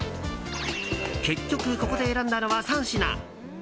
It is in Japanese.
結局、ここで選んだのは３品。